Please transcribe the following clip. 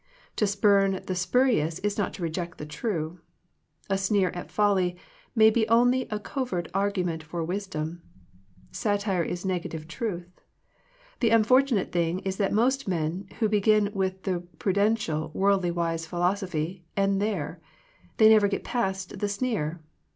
To spurn the spurious is not to reject the true. A sneer at folly may be only a covert argu ment for wisdom. Satire is negative truth. The unfortunate thing is that most men, who begin with the pruden tial worldly wise philosophy, end there. They never get past the sneer.